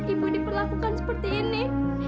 ibu diperlakukan seperti ini